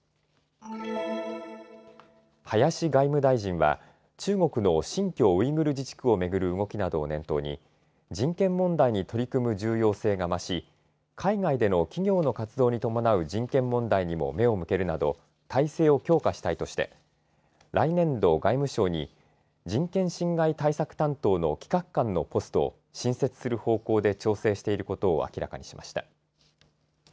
林外務大臣は中国の新疆ウイグル自治区を巡る動きなどを念頭に人権問題に取り組む重要性が増し海外での企業の活動に伴う人権問題にも目を向けるなど体制を強化したいとして来年度、外務省に人権侵害対策担当の企画官のポストを新設する方向で調整していることを明らかにしました。